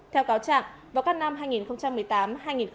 theo cáo trạng vào các năm hai nghìn một mươi tám hai nghìn một mươi tám